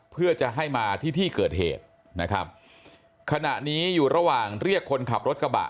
เพื่อจะให้มาที่ที่เกิดเหตุนะครับขณะนี้อยู่ระหว่างเรียกคนขับรถกระบะ